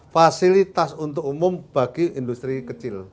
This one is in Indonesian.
fasilitas untuk umum bagi industri kecil